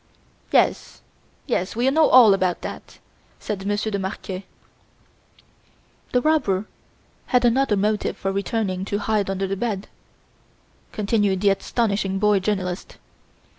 "Yes, yes, we know all about that," said Monsieur de Marquet. "The robber had another motive for returning to hide under the bed," continued the astonishing boy journalist.